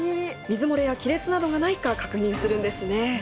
水漏れや亀裂などがないか確認するんですね。